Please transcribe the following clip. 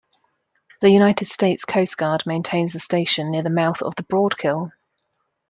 The United States Coast Guard maintains a station near the mouth of the Broadkill.